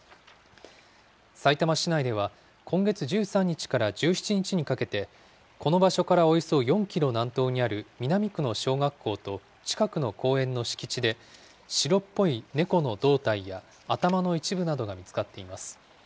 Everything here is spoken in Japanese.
さいたま市内では、今月１３日から１７日にかけて、この場所からおよそ４キロ南東にある南区の小学校と近くの公園の敷地で、白っぽい猫の胴体や頭の一部などが見つかっています。